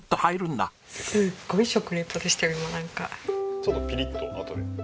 ちょっとピリッと後で。